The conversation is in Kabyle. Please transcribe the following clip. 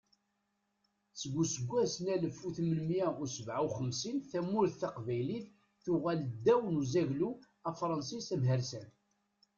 Deg useggas n alef u tmenmiyya u sebɛa u xemsin, tamurt taqbaylit tuɣal ddaw n uzaglu afṛensis amhersan.